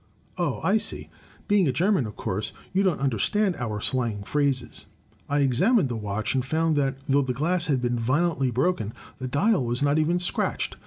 "Oh! I see. Being a German, of course you don't understand our slang phrases. I examined the watch, and found that though the glass had been violently broken, the dial was not even scratched.